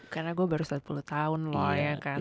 karena gue baru tujuh puluh tahun loh ya kan